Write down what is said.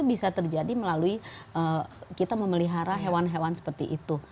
bisa terjadi melalui kita memelihara hewan hewan seperti itu